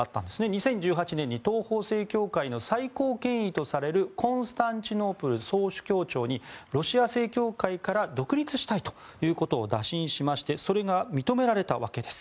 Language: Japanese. ２０１８年に東方正教会の最高権威とされるコンスタンチノープル総主教庁にロシア正教会から独立したいということを打診しましてそれが認められたわけです。